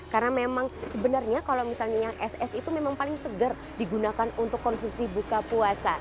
karena memang sebenarnya kalau misalnya yang es es itu memang paling segar digunakan untuk konsumsi buka puasa